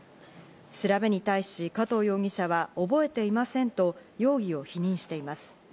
調べに対し加藤容疑者は覚えていませんと容疑を否認しています。